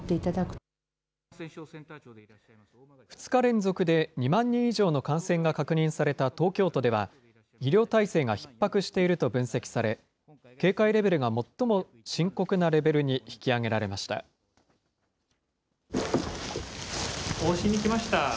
２日連続で２万人以上の感染が確認された東京都では、医療体制がひっ迫していると分析され、警戒レベルが最も深刻なレベルに引き上げられました。